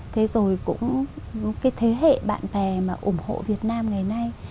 thế rồi cũng cái thế hệ bạn bè mà ủng hộ việt nam ngày nay